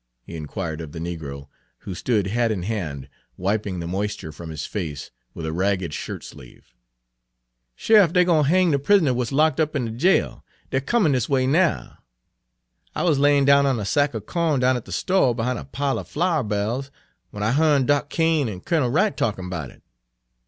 he inquired of the negro, who stood hat in hand, wiping the moisture from his face with a ragged shirt sleeve. "Shurff, dey gwine ter hang de pris'ner w'at's lock' up in de jail. Dey 're comin' dis a way now. I wuz layin' down on a sack er corn down at de sto', behine a pile er flourbairls, w'en I hearn Doc' Cain en Kunnel Wright talkin' erbout it.